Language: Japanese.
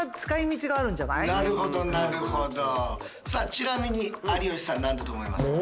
ちなみに有吉さん何だと思います？